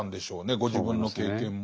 ご自分の経験も。